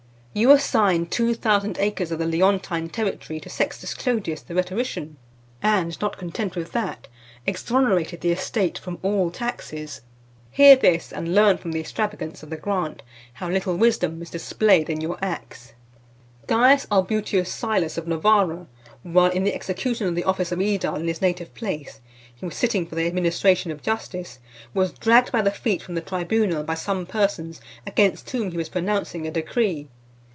You assigned two thousand acres of the Leontine territory to Sextus Clodius, the rhetorician, and not content with that, exonerated the estate from all taxes. Hear this, and learn from the extravagance of the grant, how little wisdom is displayed in your acts." VI. CAIUS ALBUTIUS SILUS, of Novara , while, in the execution (529) of the office of edile in his native place, he was sitting for the administration of justice, was dragged by the feet from the tribunal by some persons against whom he was pronouncing a decree.